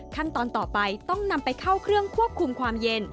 ขั้นตอนต่อไปต้องนำไปเข้าเครื่องควบคุมความเย็น